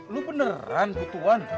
lu beneran kutuan